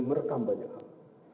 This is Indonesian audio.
merekam banyak hal